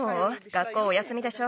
学校お休みでしょ。